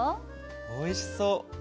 おいしそう。